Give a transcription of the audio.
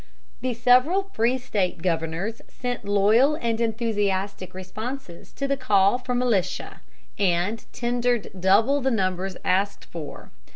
The several free State governors sent loyal and enthusiastic responses to the call for militia, and tendered double the numbers asked for.